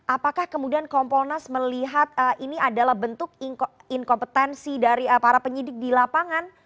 apakah kemudian kompolnas melihat ini adalah bentuk inkompetensi dari para penyidik di lapangan